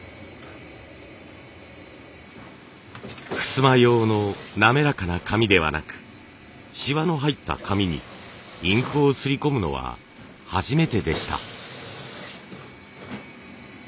ふすま用の滑らかな紙ではなくしわの入った紙にインクをすり込むのは初めてでした。